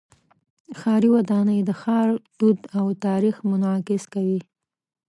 ښاري ودانۍ د ښار دود او تاریخ منعکس کوي.